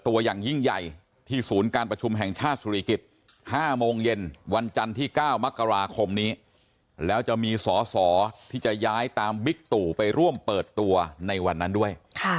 วันจันที่๙มกราคมนี้แล้วจะมีสอสอที่จะย้ายตามบิกตุไปร่วมเปิดตัวในวันนั้นด้วย